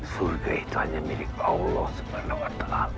surga itu hanya milik allah swt